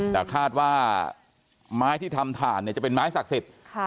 แต่คาดว่าไม้ที่ทำถ่านจะเป็นไม้ศักดิ์สิทธิ์